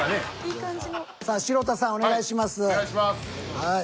はい。